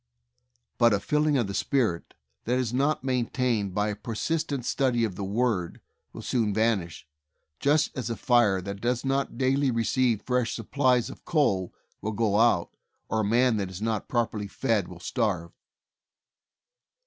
But a 'filling of the Spirit' that is not main tained by a persistent study of the Word, will soon vanish," just as a fire that does not daily receive fresh supplies of coal will go out, or a man that is not properly fed will starve.